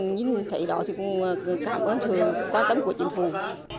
nhìn thấy đó thì cũng cảm ơn thường